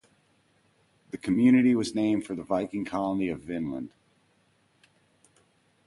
The community was named for the Viking colony of Vinland.